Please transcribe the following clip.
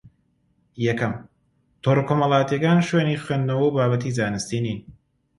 یەکەم: تۆڕە کۆمەڵایەتییەکان شوێنی خوێندنەوە و بابەتی زانستی نین